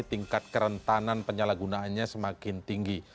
tingkat kerentanan penyalahgunaannya semakin tinggi